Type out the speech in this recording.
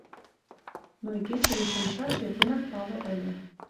Но игече весемшаш эрденак пале ыле.